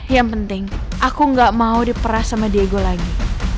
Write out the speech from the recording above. yang penting aku gak mau diperas sama dego lagi